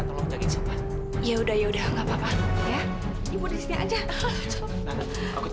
nggak ada dewi